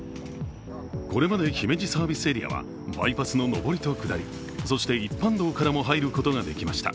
これまで姫路サービスエリアはバイパスの上りと下り、そして一般道からも入ることができました。